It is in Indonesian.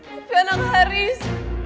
tapi anak haris